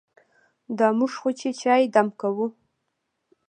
دا موږ خو چې چای دم کوو.